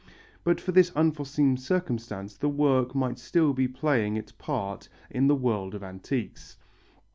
But for this unforeseen circumstance the work might still be playing its part in the world of antiques.